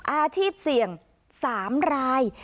อาชีพเสี่ยง๓ราย